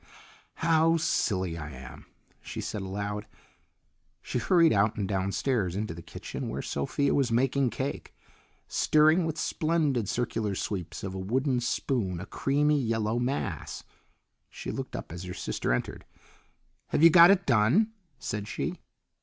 "How silly I am," she said aloud. She hurried out and downstairs into the kitchen where Sophia was making cake, stirring with splendid circular sweeps of a wooden spoon a creamy yellow mass. She looked up as her sister entered. "Have you got it done?" said she.